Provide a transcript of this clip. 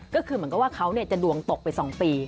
ก็คือเหมือนกับว่าเขาจะดวงตกไป๒ปี